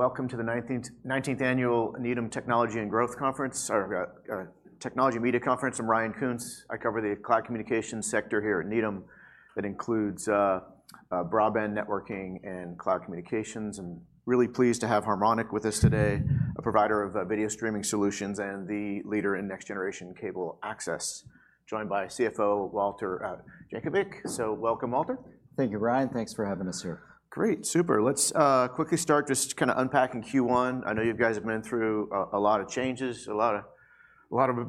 Welcome to the 19th Annual Needham Technology and Growth Conference, or Technology Media Conference. I'm Ryan Koontz. I cover the cloud communications sector here at Needham. That includes broadband networking and cloud communications, and really pleased to have Harmonic with us today, a provider of video streaming solutions and the leader in next-generation cable access, joined by CFO Walter Jankovic. So welcome, Walter. Thank you, Ryan. Thanks for having us here. Great. Super. Let's quickly start just kinda unpacking Q1. I know you guys have been through a lot of changes, a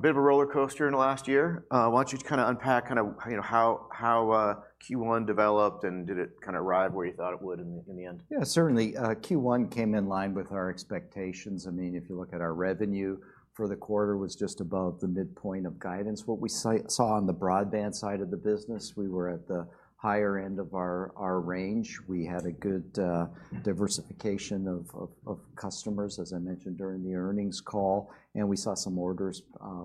bit of a roller coaster in the last year. I want you to kinda unpack kind of, you know, how Q1 developed, and did it kinda arrive where you thought it would in the end? Yeah, certainly. Q1 came in line with our expectations. I mean, if you look at our revenue for the quarter was just above the midpoint of guidance. What we saw on the broadband side of the business, we were at the higher end of our range. We had a good diversification of customers, as I mentioned during the earnings call, and we saw some orders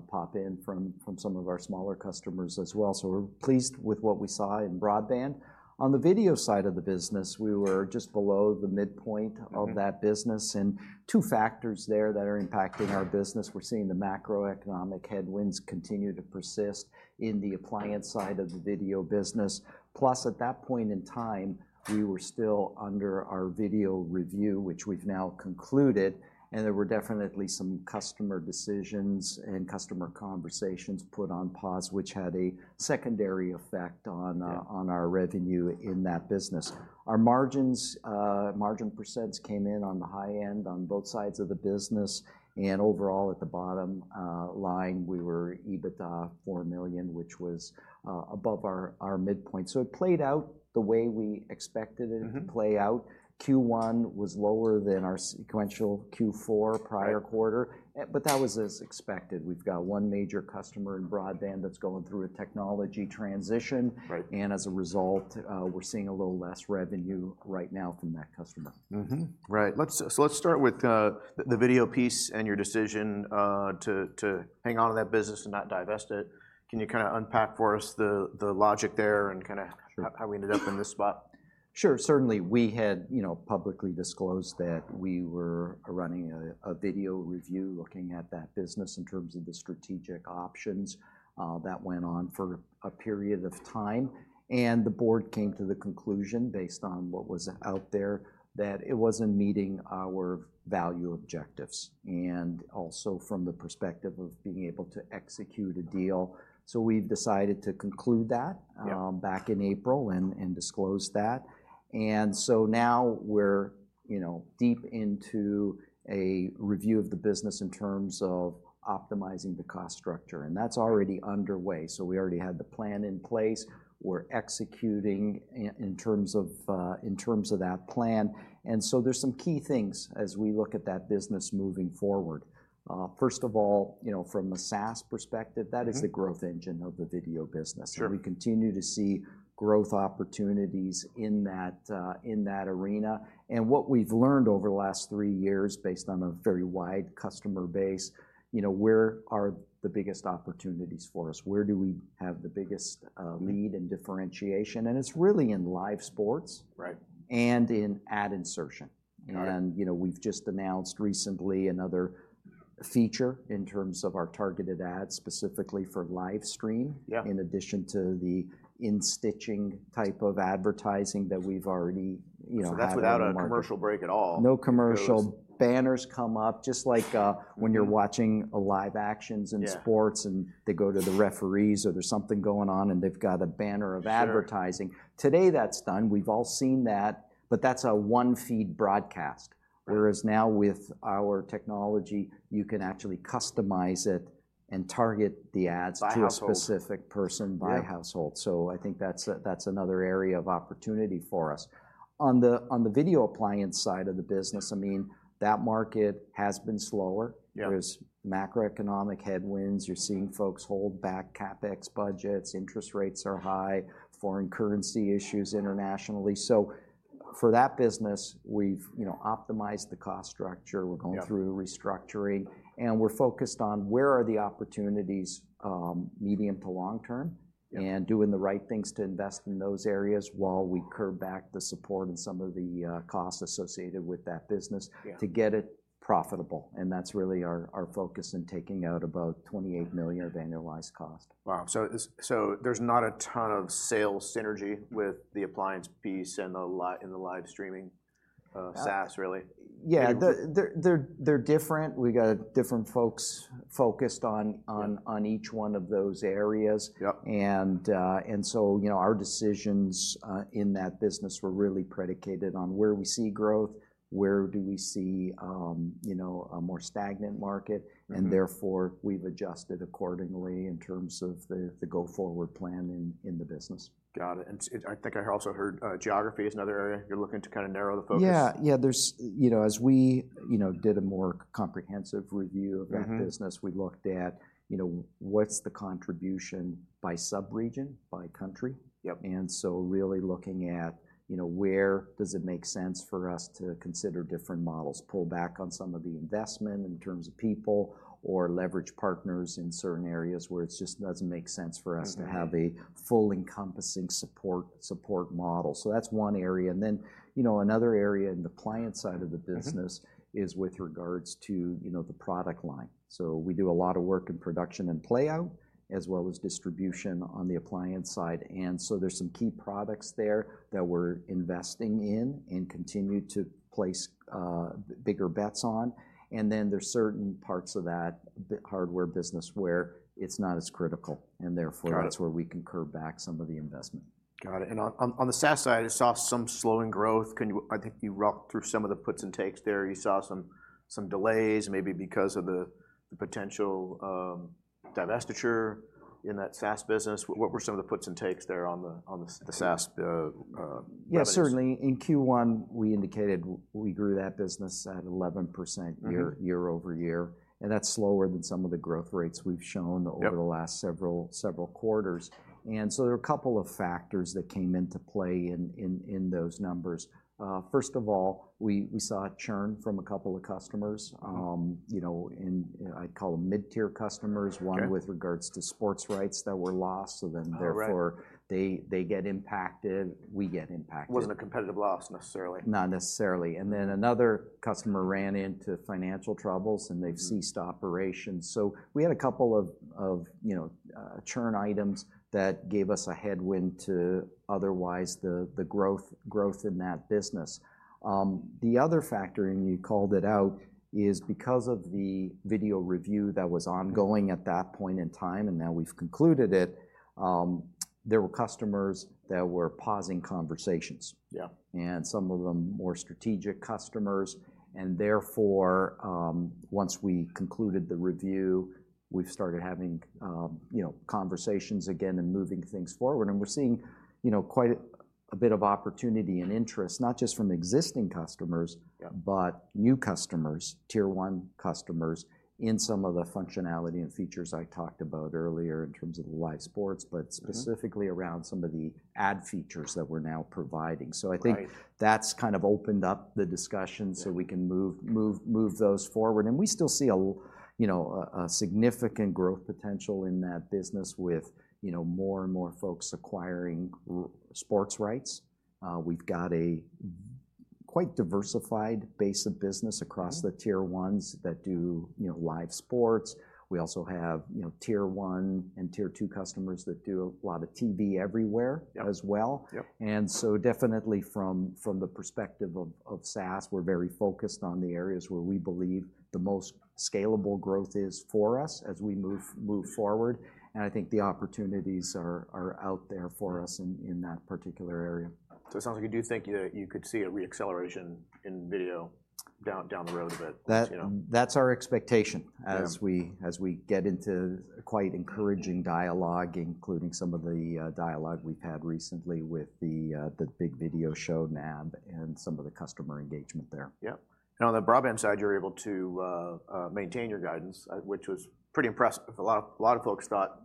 pop in from some of our smaller customers as well, so we're pleased with what we saw in broadband. On the video side of the business, we were just below the midpoint of that business, and two factors there that are impacting our business. We're seeing the macroeconomic headwinds continue to persist in the appliance side of the video business. Plus, at that point in time, we were still under our video review, which we've now concluded, and there were definitely some customer decisions and customer conversations put on pause, which had a secondary effect on on our revenue in that business. Our margins, margin percents came in on the high end on both sides of the business, and overall, at the bottom line, we were EBITDA $4 million, which was above our midpoint. So it played out the way we expected it to play out. Q1 was lower than our sequential Q4 prior quarter, but that was as expected. We've got one major customer in broadband that's going through a technology transition and as a result, we're seeing a little less revenue right now from that customer. Right, let's start with the video piece and your decision to hang on to that business and not divest it. Can you kinda unpack for us the logic there and kinda how we ended up in this spot? Sure. Certainly, we had, you know, publicly disclosed that we were running a video review looking at that business in terms of the strategic options. That went on for a period of time, and the board came to the conclusion, based on what was out there, that it wasn't meeting our value objectives, and also from the perspective of being able to execute a deal. So we've decided to conclude that back in April and disclose that. So now we're, you know, deep into a review of the business in terms of optimizing the cost structure, and that's already underway, so we already had the plan in place. We're executing in terms of that plan, and so there's some key things as we look at that business moving forward. First of all, you know, from a SaaS perspective that is the growth engine of the video business. We continue to see growth opportunities in that, in that arena, and what we've learned over the last three years, based on a very wide customer base, you know, where are the biggest opportunities for us? Where do we have the biggest, lead and differentiation? And it's really in live sports and in ad insertion. You know, we've just announced recently another feature in terms of our targeted ads, specifically for live stream in addition to the in-stitching type of advertising that we've already, you know, had on the market. So that's without a commercial break at all? No commercial. It was- Banners come up, just like when you're watching a live action in sports and they go to the referees, or there's something going on, and they've got a banner of advertising. Sure. Today, that's done. We've all seen that, but that's a one-feed broadcast. Whereas now with our technology, you can actually customize it and target the ads- By household... to a specific person by household. So I think that's another area of opportunity for us. On the video appliance side of the business, I mean, that market has been slower. There's macroeconomic headwinds. You're seeing folks hold back CapEx budgets, interest rates are high, foreign currency issues internationally. So for that business, we've, you know, optimized the cost structure. We're going through restructuring, and we're focused on where are the opportunities, medium to long term and doing the right things to invest in those areas while we curb back the support and some of the costs associated with that business to get it profitable, and that's really our focus in taking out about $28 million of annualized cost. Wow, so there's not a ton of sales synergy with the appliance piece and the live streaming SaaS, really? Yeah, they're different. We got different folks focused on each one of those areas. Yep. So, you know, our decisions in that business were really predicated on where we see growth, where do we see, you know, a more stagnant market and therefore, we've adjusted accordingly in terms of the go-forward plan in the business. Got it, and I think I also heard, geography is another area. You're looking to kinda narrow the focus. Yeah, yeah. There's, you know, as we, you know, did a more comprehensive review of that business we looked at, you know, what's the contribution by sub-region, by country? Really looking at, you know, where does it make sense for us to consider different models, pull back on some of the investment in terms of people, or leverage partners in certain areas where it just doesn't make sense for us to have a full encompassing support, support model? So that's one area. And then, you know, another area in the client side of the business is with regards to, you know, the product line. So we do a lot of work in production and playout as well as distribution on the appliance side. And so there's some key products there that we're investing in and continue to place bigger bets on, and then there's certain parts of that, the hardware business, where it's not as critical, and therefore- Got it. That's where we can curb back some of the investment. Got it. And on the SaaS side, I saw some slowing growth. Can you... I think you walked through some of the puts and takes there. You saw some delays, maybe because of the potential divestiture in that SaaS business. What were some of the puts and takes there on the SaaS revenues? Yeah, certainly. In Q1, we indicated we grew that business at 11% year-over-year, and that's slower than some of the growth rates we've shown over the last several quarters. And so there are a couple of factors that came into play in those numbers. First of all, we saw a churn from a couple of customers. You know, I'd call them mid-tier customers one with regards to sports rights that were lost, so then therefore they get impacted, we get impacted. Wasn't a competitive loss necessarily? Not necessarily. And then another customer ran into financial troubles, and they've ceased operations. So we had a couple of you know churn items that gave us a headwind to otherwise the growth in that business. The other factor, and you called it out, is because of the video review that was ongoing at that point in time, and now we've concluded it, there were customers that were pausing conversations. Some of them more strategic customers, and therefore, once we concluded the review, we've started having, you know, conversations again and moving things forward. We're seeing, you know, quite a bit of opportunity and interest, not just from existing customers but new customers, Tier 1 customers, in some of the functionality and features I talked about earlier in terms of the live sports but specifically around some of the ad features that we're now providing. Right. I think that's kind of opened up the discussion so we can move, move, move those forward. And we still see, you know, a significant growth potential in that business with, you know, more and more folks acquiring our sports rights. We've got quite a diversified base of business across the Tier 1s that do, you know, live sports. We also have, you know, Tier 1 and Tier 2 customers that do a lot of TV everywhere as well. And so definitely from the perspective of SaaS, we're very focused on the areas where we believe the most scalable growth is for us as we move forward, and I think the opportunities are out there for us in that particular area. So it sounds like you do think you could see a re-acceleration in video down the road a bit, you know? That's our expectation as we, as we get into quite encouraging dialogue, including some of the dialogue we've had recently with the big video show NAB and some of the customer engagement there. Yep. Now, on the broadband side, you're able to maintain your guidance, which was pretty impressive. A lot of folks thought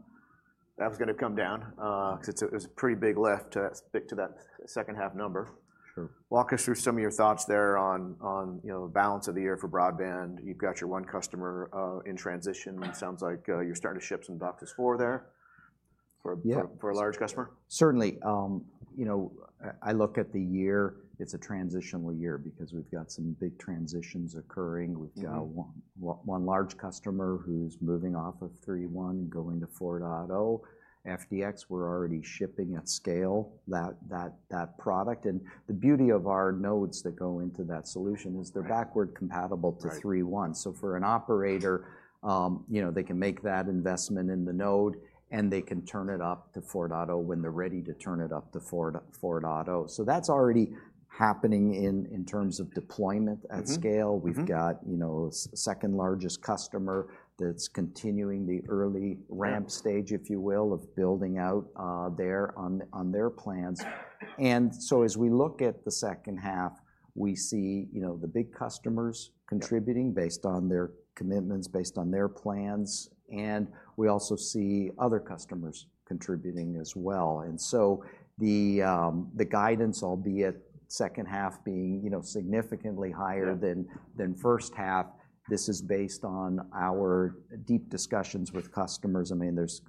that was gonna come down, 'cause it was a pretty big lift to stick to that second-half number. Sure. Walk us through some of your thoughts there on, you know, balance of the year for broadband. You've got your one customer in transition. It sounds like, you're starting to ship some DOCSIS 4 there for a large customer. Certainly. You know, I look at the year, it's a transitional year because we've got some big transitions occurring. We've got one large customer who's moving off of 3.1 and going to 4.0. FDX, we're already shipping at scale that product, and the beauty of our nodes that go into that solution is they're backward compatible to 3.1. So for an operator, you know, they can make that investment in the node, and they can turn it up to 4.0 when they're ready to turn it up to 4, 4.0. So that's already happening in terms of deployment at scale. We've got, you know, second-largest customer that's continuing the early ramp stage if you will, of building out, their, on, on their plans. And so as we look at the second half, we see, you know, the big customers contributing based on their commitments, based on their plans, and we also see other customers contributing as well. And so the, the guidance, albeit second half being, you know, significantly higher than first half, this is based on our deep discussions with customers. I mean, there's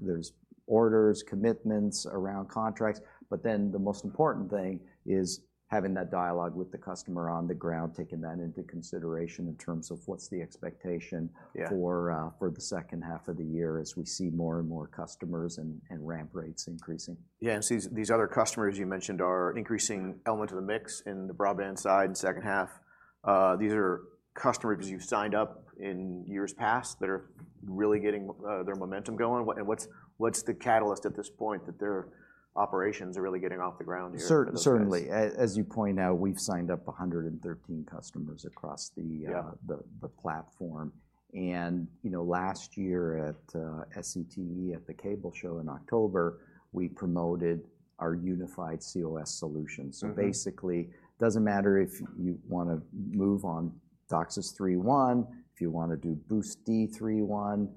orders, commitments around contracts, but then the most important thing is having that dialogue with the customer on the ground, taking that into consideration in terms of what's the expectation for the second half of the year as we see more and more customers and ramp rates increasing. Yeah, and so these, these other customers you mentioned are increasing element of the mix in the broadband side in the second half. These are customers you've signed up in years past that are really getting their momentum going? What's the catalyst at this point that their operations are really getting off the ground here for the next? Certainly. As you point out, we've signed up 113 customers across the platform. And you know, last year at SCTE, at the Cable Show in October, we promoted our unified cOS solution. So basically, doesn't matter if you wanna move on DOCSIS 3.1, if you wanna do BoostD 3.1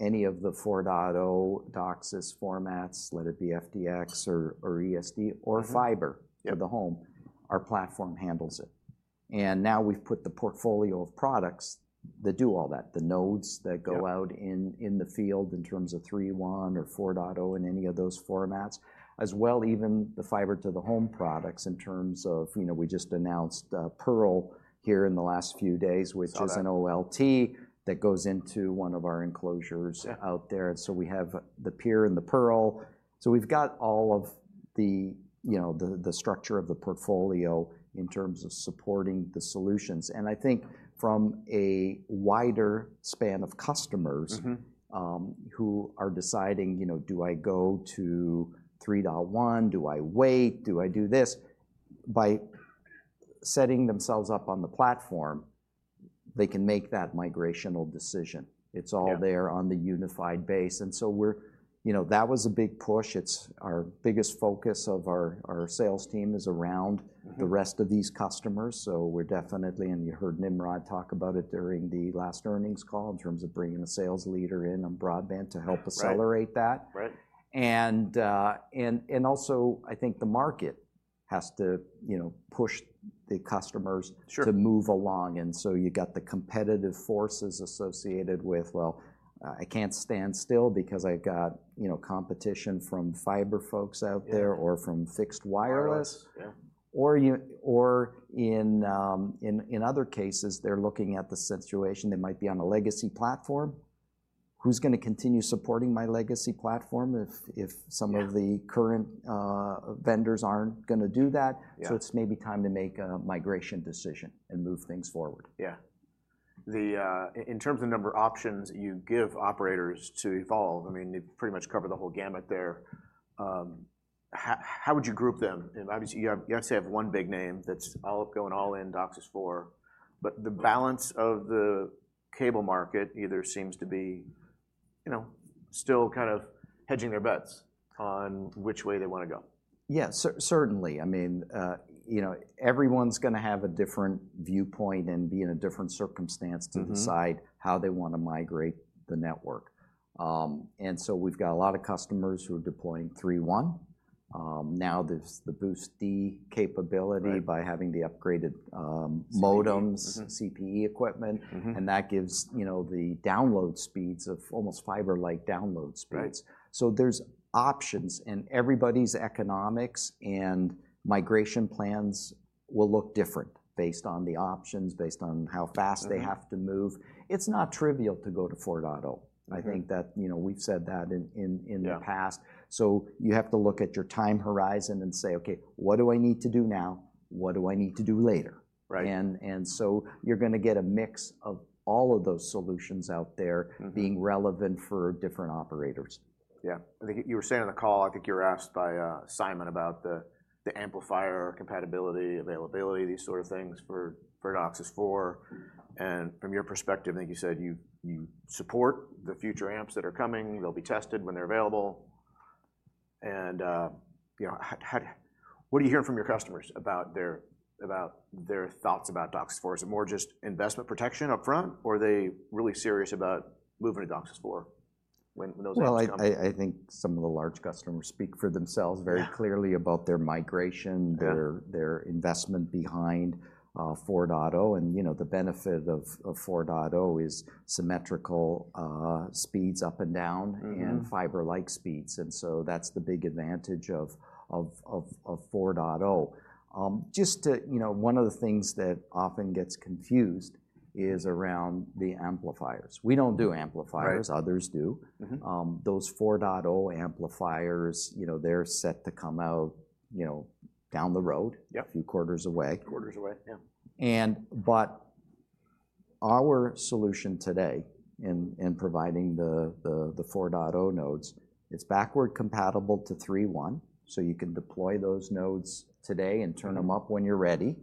any of the 4.0 DOCSIS formats, let it be FDX or ESD or fiber for the home... Our platform handles it. And now we've put the portfolio of products that do all that, the nodes that go out in the field in terms of 3.1 or 4.0 in any of those formats, as well even the fiber to the home products in terms of, you know, we just announced Pearl here in the last few days which is an OLT that goes into one of our enclosures out there. So we have the Pier and the Pearl. So we've got all of the, you know, the structure of the portfolio in terms of supporting the solutions. And I think from a wider span of customers who are deciding, you know, "Do I go to 3.1? Do I wait? Do I do this?" By setting themselves up on the platform, they can make that migrational decision. It's all there on the unified base, and so we're—you know, that was a big push. It's our biggest focus of our, our sales team is around the rest of these customers, so we're definitely, and you heard Nimrod talk about it during the last earnings call in terms of bringing a sales leader in on broadband to help accelerate that. Right. Also, I think the market has to, you know, push the customers to move along, and so you got the competitive forces associated with, "Well, I can't stand still because I've got, you know, competition from fiber folks out there or from fixed wireless. Wireless, yeah. Or in other cases, they're looking at the situation. They might be on a legacy platform. "Who's gonna continue supporting my legacy platform if some of the current vendors aren't gonna do that? Yeah. It's maybe time to make a migration decision and move things forward. Yeah. The in terms of number of options you give operators to evolve, I mean, you've pretty much covered the whole gamut there. How would you group them? And obviously, you have, you obviously have one big name that's all going all in, DOCSIS 4. But the balance of the cable market either seems to be, you know, still kind of hedging their bets on which way they wanna go. Yeah, certainly. I mean, you know, everyone's gonna have a different viewpoint and be in a different circumstance to decide how they wanna migrate the network. And so we've got a lot of customers who are deploying 3.1. Now there's the BoostD capability by having the upgraded, modems CPE equipment That gives, you know, the download speeds of almost fiber-like download speeds. So, there's options, and everybody's economics and migration plans will look different based on the options, based on how fast, they have to move. It's not trivial to go to 4.0 I think that, you know, we've said that in the past. Yeah. You have to look at your time horizon and say, "Okay, what do I need to do now? What do I need to do later? Right. So you're gonna get a mix of all of those solutions out there being relevant for different operators. Yeah. I think you were saying on the call, I think you were asked by Simon about the amplifier compatibility, availability, these sort of things for DOCSIS 4, and from your perspective, I think you said you support the future amps that are coming. They'll be tested when they're available. And you know, what are you hearing from your customers about their thoughts about DOCSIS 4? Is it more just investment protection upfront, or are they really serious about moving to DOCSIS 4 when those amps come? Well, I think some of the large customers speak for themselves very clearly about their migration their investment behind 4.0. And, you know, the benefit of, of 4.0 is symmetrical speeds up and down and fiber-like speeds, and so that's the big advantage of 4.0. Just to, you know, one of the things that often gets confused is around the amplifiers. We don't do amplifiers others do. Those 4.0 amplifiers, you know, they're set to come out, you know, down the road a few quarters away. Quarters away, yeah. But our solution today in providing the 4.0 nodes, it's backward-compatible to 3.1, so you can deploy those nodes today and turn them up when you're ready.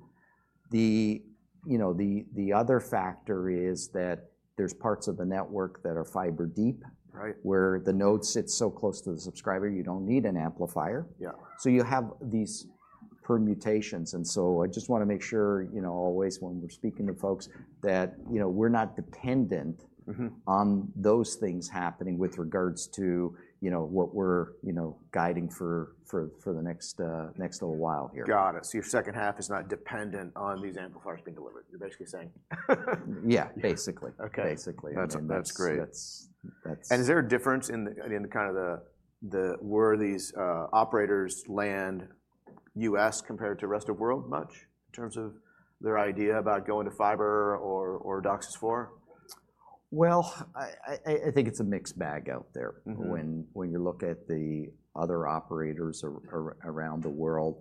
You know, the other factor is that there's parts of the network that are fiber deep where the node sits so close to the subscriber, you don't need an amplifier. So you have these permutations, and so I just wanna make sure, you know, always when we're speaking to folks, that, you know, we're not dependent on those things happening with regards to, you know, what we're, you know, guiding for the next little while here. Got it. So your second half is not dependent on these amplifiers being delivered, you're basically saying? Yeah, basically. Okay. Basically. That's, that's great. Is there a difference in the kind of where these operators land in the U.S. compared to the rest of the world much in terms of their idea about going to fiber or DOCSIS 4? Well, I think it's a mixed bag out there. When you look at the other operators around the world,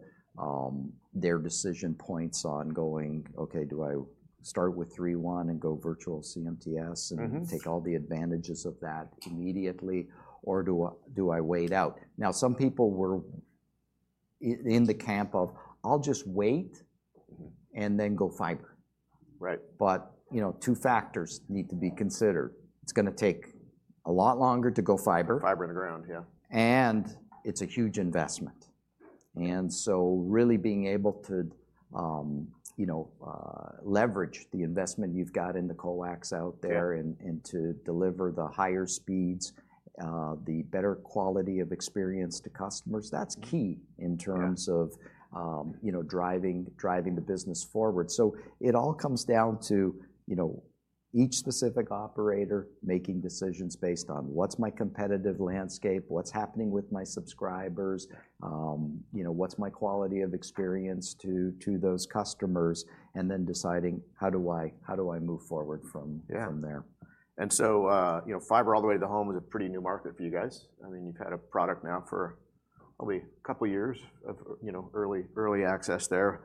their decision points on going, "Okay, do I start with 3.1 and go virtual CMTS and take all the advantages of that immediately, or do I, do I wait out?" Now, some people were in the camp of, "I'll just wait and then go fiber. You know, two factors need to be considered: It's gonna take a lot longer to go fiber- Fiber in the ground, yeah.... and it's a huge investment. And so really being able to, you know, leverage the investment you've got in the coax out there, and to deliver the higher speeds, the better quality of experience to customers, that's key in terms of, you know, driving the business forward. So it all comes down to, you know, each specific operator making decisions based on what's my competitive landscape? What's happening with my subscribers? You know, what's my quality of experience to those customers? And then deciding, how do I move forward from there. So, you know, fiber all the way to the home is a pretty new market for you guys. I mean, you've had a product now for probably a couple years of, you know, early, early access there.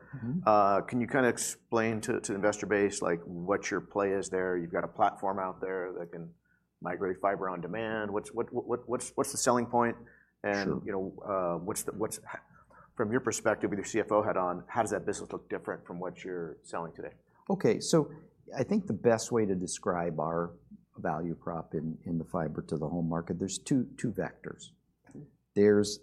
Can you kind of explain to the investor base, like, what your play is there? You've got a platform out there that can migrate fiber on demand. What's the selling point? Sure. You know, what's from your perspective, with your CFO hat on, how does that business look different from what you're selling today? Okay, so I think the best way to describe our value prop in the fiber-to-the-home market. There's two, two vectors. There's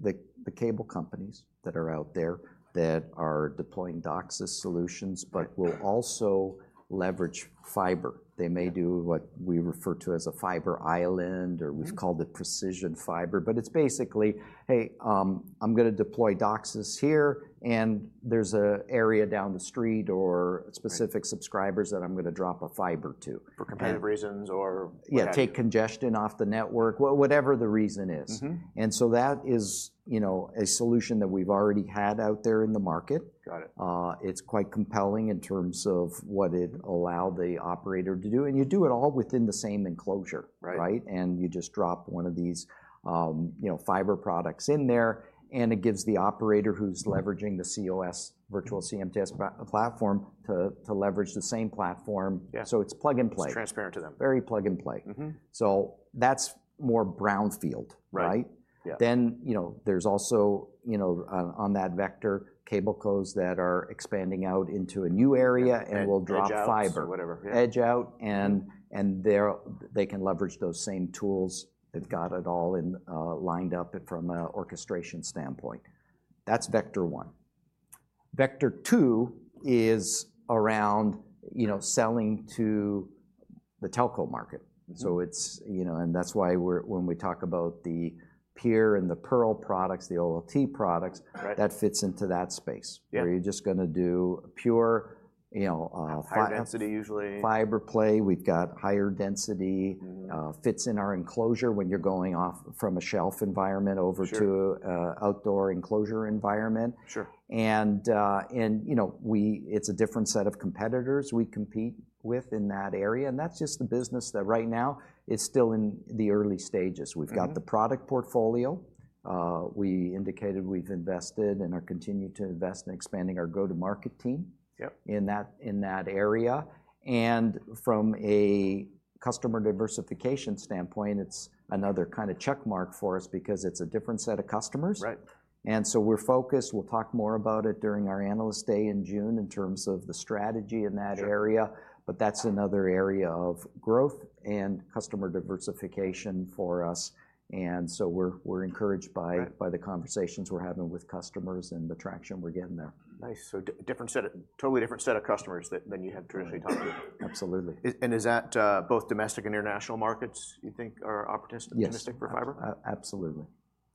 the, the cable companies that are out there that are deploying DOCSIS solutions but will also leverage fiber. They may do what we refer to as a fiber island, or we've called it precision fiber, but it's basically, "Hey, I'm gonna deploy DOCSIS here, and there's an area down the street or specific subscribers that I'm gonna drop a fiber to. For competitive reasons or- Yeah. Take congestion off the network. Well, whatever the reason is. And so that is, you know, a solution that we've already had out there in the market. Got it. It's quite compelling in terms of what it'll allow the operator to do, and you do it all within the same enclosure. Right? And you just drop one of these, you know, fiber products in there, and it gives the operator who's leveraging the cOS virtual CMTS platform to, to leverage the same platform. It's plug-and-play. It's transparent to them. Very plug-and-play. That's more brownfield, right? Then, you know, there's also, you know, on that vector, cable co's that are expanding out into a new area and will drop fiber. Edge outs or whatever, yeah. Edge out, they can leverage those same tools. They've got it all in, lined up from an orchestration standpoint. That's vector one. Vector two is around, you know, selling to the telco market. It's, you know, and that's why, when we talk about the Pier and the Pearl products, the OLT product that fits into that space. Where you're just gonna do pure, you know... High density, usually... fiber play. We've got higher density fits in our enclosure when you're going off from a shelf environment over to an outdoor enclosure environment. Sure. You know, it's a different set of competitors we compete with in that area, and that's just the business that right now is still in the early stages. We've got the product portfolio. We indicated we've invested and are continuing to invest in expanding our go-to-market team in that, in that area. And from a customer diversification standpoint, it's another kind of check mark for us because it's a different set of customers. And so we're focused. We'll talk more about it during our Analyst Day in June in terms of the strategy in that area. Sure. But that's another area of growth and customer diversification for us, and so we're encouraged by the conversations we're having with customers and the traction we're getting there. Nice. So different set of... Totally different set of customers than you have traditionally talked with. Absolutely. Is that both domestic and international markets you think are opportunistic domestic for fiber? Absolutely.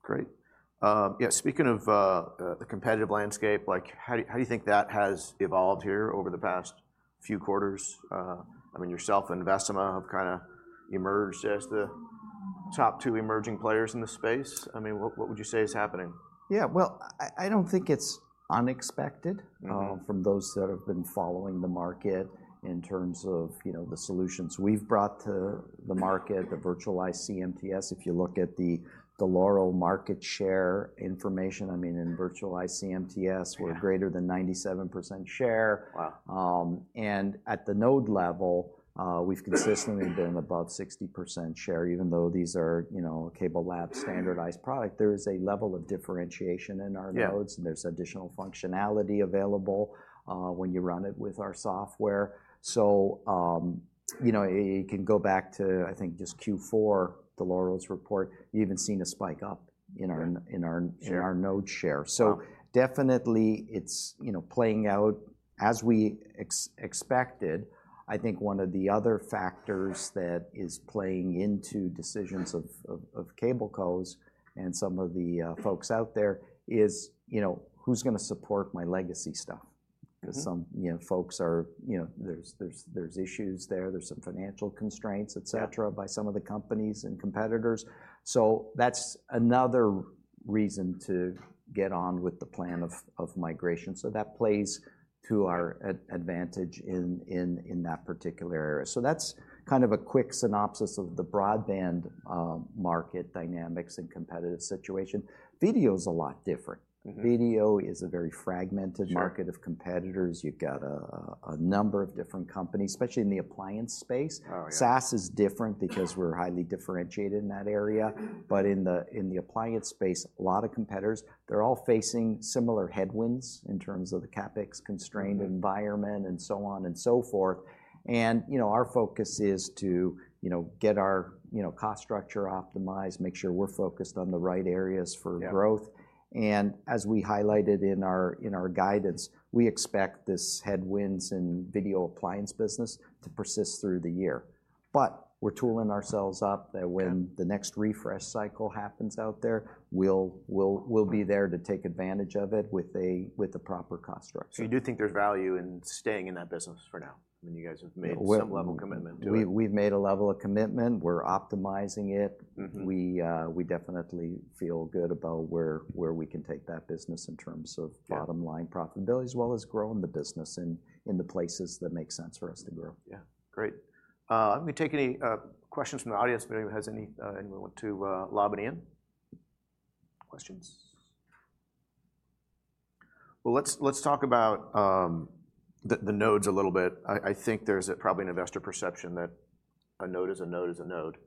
Great. Yeah, speaking of the competitive landscape, like, how do you think that has evolved here over the past few quarters? I mean, yourself and Vecima have kind of emerged as the top two emerging players in the space. I mean, what would you say is happening? Yeah. Well, I don't think it's unexpected from those that have been following the market in terms of, you know, the solutions we've brought to the market, the virtualized CMTS. If you look at the Dell'Oro market share information, I mean, in virtualized CMTS we're greater than 97% share. Wow. At the node level, we've consistently been above 60% share, even though these are, you know, CableLabs standardized product. There is a level of differentiation in our nodes and there's additional functionality available when you run it with our software. So, you know, you can go back to, I think, just Q4, Dell'Oro's report even seen a spike up in our node share. Wow. So definitely it's, you know, playing out as we expected. I think one of the other factors that is playing into decisions of cable co's and some of the folks out there is, you know, "Who's gonna support my legacy stuff? 'Cause some, you know, folks are, you know, there's issues there. There's some financial constraints, etc., by some of the companies and competitors. So that's another reason to get on with the plan of migration. So that plays to our advantage in that particular area. So that's kind of a quick synopsis of the broadband market dynamics and competitive situation. Video's a lot different. Video is a very fragmented market of competitors. You've got a number of different companies, especially in the appliance space. Oh, yeah. SaaS is different because we're highly differentiated in that area. But in the appliance space, a lot of competitors, they're all facing similar headwinds in terms of the CapEx-constrained environment and so on and so forth. You know, our focus is to, you know, get our, you know, cost structure optimized, make sure we're focused on the right areas for growth. As we highlighted in our guidance, we expect this headwinds in video appliance business to persist through the year... but we're tooling ourselves up, that when the next refresh cycle happens out there, we'll be there to take advantage of it with the proper construct. So you do think there's value in staying in that business for now? I mean, you guys have made some level of commitment to it. We've made a level of commitment. We're optimizing it we definitely feel good about where we can take that business in terms of bottom line profitability, as well as growing the business in the places that make sense for us to grow. Yeah, great. Let me take any questions from the audience. If anyone has any, anyone want to lob it in? Questions. Well, let's, let's talk about the nodes a little bit. I think there's probably an investor perception that a node is a node is a node.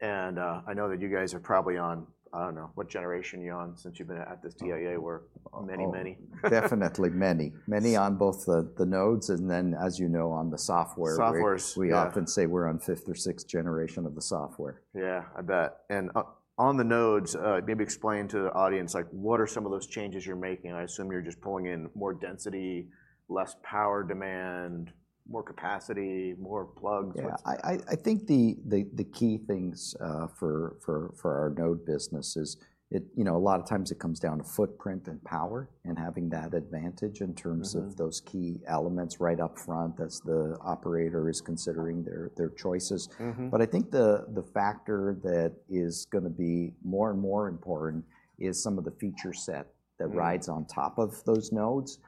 And I know that you guys are probably on, I don't know, what generation you on since you've been at the TIA work? Many, many? Definitely many. Many on both the nodes, and then, as you know, on the software- Software, yeah... we often say we're on fifth or sixth generation of the software. Yeah, I bet. And on the nodes, maybe explain to the audience, like, what are some of those changes you're making? I assume you're just pulling in more density, less power demand, more capacity, more plugs. What's- Yeah, I think the key things for our node business is it... You know, a lot of times it comes down to footprint and power and having that advantage in terms of those key elements right up front as the operator is considering their choices. But I think the factor that is gonna be more and more important is some of the feature set that rides on top of those nodes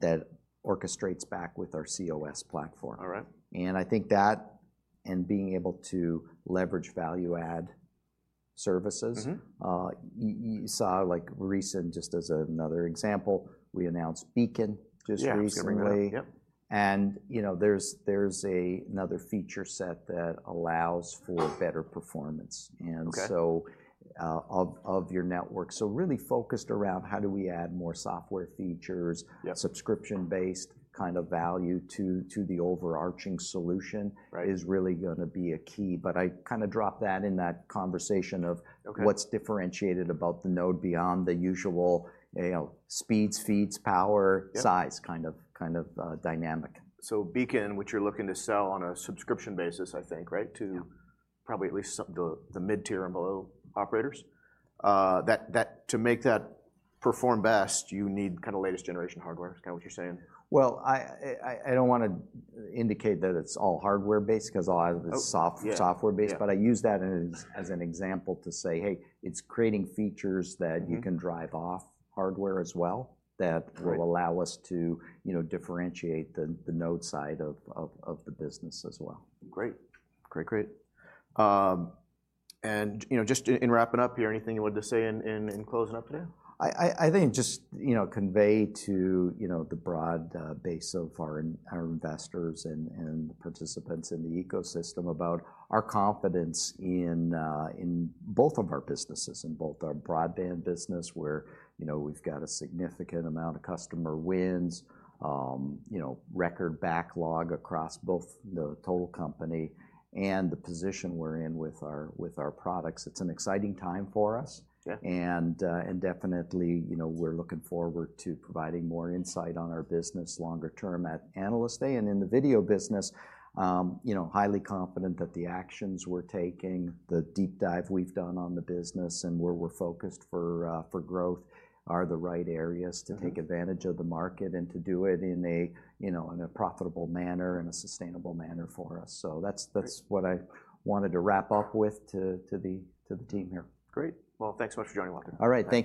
that orchestrates back with our cOS platform. All right. And I think that being able to leverage value-add services you saw, like, recently, just as another example, we announced Beacon just recently. Yeah, just recently. Yep. You know, there's another feature set that allows for better performance and so, of your network. So really focused around how do we add more software features subscription-based kind of value to, to the overarching solution is really gonna be a key. But I kind of dropped that in that conversation of what's differentiated about the node beyond the usual, you know, speeds, feeds, power size, kind of, kind of, dynamic. So Beacon, which you're looking to sell on a subscription basis, I think, right, to probably at least some of the mid-tier and below operators. To make that perform best, you need kinda latest generation hardware, is kinda what you're saying? Well, I don't wanna indicate that it's all hardware-based, 'cause a lot of it is software-based but I use that as an example to say, hey, it's creating features thatou can drive off hardware as well, that will allow us to, you know, differentiate the node side of the business as well. Great. Great, great. And, you know, just in wrapping up here, anything you wanted to say in closing up today? I think just, you know, convey to, you know, the broad base of our investors and the participants in the ecosystem about our confidence in both of our businesses, in both our broadband business, where, you know, we've got a significant amount of customer wins, you know, record backlog across both the total company and the position we're in with our, with our products. It's an exciting time for us. And definitely, you know, we're looking forward to providing more insight on our business longer term at Analyst Day. And in the video business, you know, highly confident that the actions we're taking, the deep dive we've done on the business, and where we're focused for growth, are the right areas to take advantage of the market and to do it in a, you know, in a profitable manner and a sustainable manner for us. So that's what I wanted to wrap up with to the team here. Great. Well, thanks so much for joining, Walter. All right. Thank you.